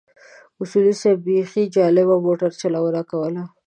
اصولي صیب بيخي جالبه موټر چلونه کوله.